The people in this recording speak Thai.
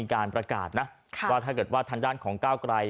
การประกาศนะว่าถ้าเกิดว่าทางด้านของก้าวไกล